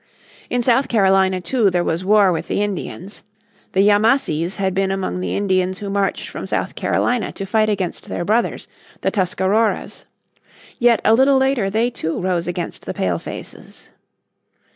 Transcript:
In South Carolina too there was war with the Indians. The Yamassees had been among the Indians who marched from South Carolina to fight against their brothers, the Tuscaroras. Yet a little later they too rose against the Pale faces.